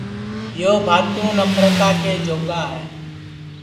یو بھاتو نپھرتا کے جوگا ہے